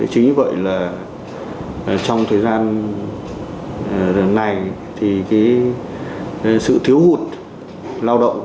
chính vì vậy là trong thời gian này thì sự thiếu hụt lao động